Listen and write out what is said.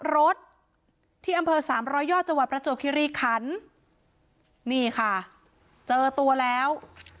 รถที่อำเภอสามร้อยยอดจังหวัดประจวบคิริขันนี่ค่ะเจอตัวแล้ว